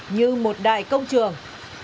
như một đại công trường